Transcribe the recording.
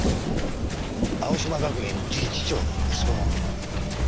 青嶋学園理事長の息子の。